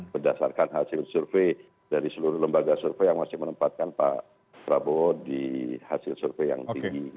berdasarkan hasil survei dari seluruh lembaga survei yang masih menempatkan pak prabowo di hasil survei yang tinggi